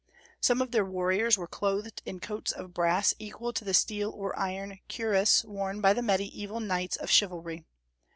Some of their warriors were clothed in coats of brass equal to the steel or iron cuirass worn by the Mediaeval knights of chivalry.